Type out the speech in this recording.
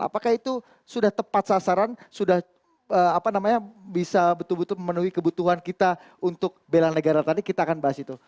apakah itu sudah tepat sasaran sudah bisa betul betul memenuhi kebutuhan kita untuk bela negara tadi kita akan bahas itu